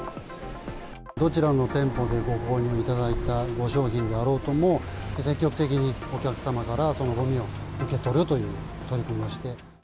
どちらの店舗でご購入いただいた五商品であろうとも、積極的にお客様からそのごみを受け取るという取り組みをして。